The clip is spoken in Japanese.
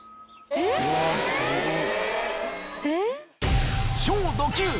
・うわすごい。